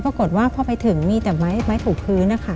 ปรากฏว่าพอไปถึงมีแต่ไม้ถูกพื้นนะคะ